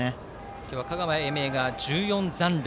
今日は香川・英明が１４残塁。